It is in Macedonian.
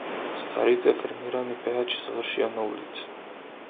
Старите афирмирани пејачи завршија на улица